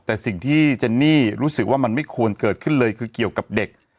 แต่สิ่งที่เจนนี่รู้สึกว่ามันไม่ควรเกิดขึ้นเลยคือเกี่ยวกับเด็ก